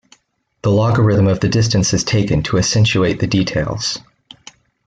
The logarithm of the distance is taken to accentuate the details.